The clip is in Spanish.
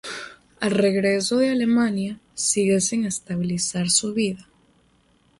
Al regreso de Alemania, sigue sin estabilizar su vida.